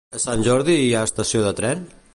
A Sant Jordi hi ha estació de tren?